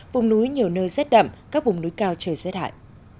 vùng núi nhiều nơi rất đậm các vùng núi cao trời rất hại